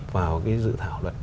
vào cái dự thảo luật